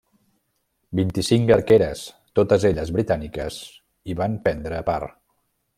Vint-i-cinc arqueres, totes elles britàniques, hi van prendre part.